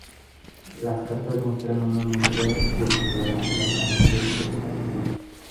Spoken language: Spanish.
Las cartas muestran una mente cultivada y altamente especulativa.